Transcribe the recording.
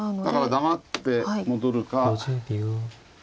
だから黙って戻るか。